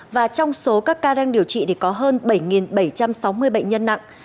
và trong số các ca đang điều trị thì có hơn bảy bảy trăm sáu mươi bệnh nhân nặng